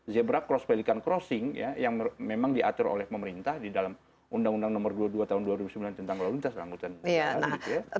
zebra cross pelikan crossing yang memang diatur oleh pemerintah di dalam undang undang nomor dua puluh dua tahun dua ribu sembilan tentang kelauntas